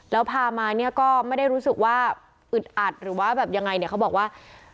แล้วพามาเนี่ยก็ไม่ได้รู้สึกว่าอึดอัดหรือว่าแบบยังไงเนี่ยเขาบอกว่า